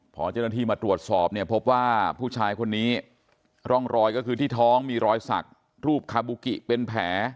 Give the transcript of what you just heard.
พอเจ้าหน้าที่มาตรวจสอบเนี่ยพบว่าผู้ชายคนนี้ร่องรอยก็คือที่ท้องมีรอยสักรูปคาบูกิเป็นแผล